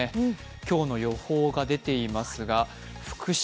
今日の予報が出ていますが福島、